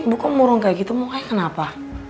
ibu kok murung kayak gitu mau kayak kenapa